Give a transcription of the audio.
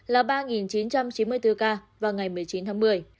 là ba chín trăm chín mươi bốn ca vào ngày một mươi chín tháng một mươi